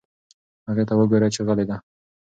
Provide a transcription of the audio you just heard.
هغې ته وگوره چې غلې ده.